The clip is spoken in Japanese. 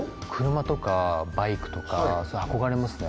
車とかバイクとか憧れますね